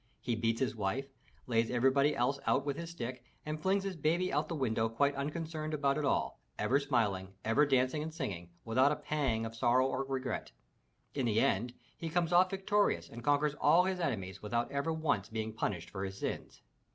He beats his wife, lays everybody else out with his stick, and flings his baby out the window quite un concerned about it all, ever smiling, ever dancing and singing, without a pang of sorrow or regret. In the end he comes off victorious and conquers all his enemies without ever once being punished for his sins!